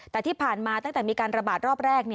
แต่ที่ผ่านมาตั้งแต่มีการระบาดรอบแรก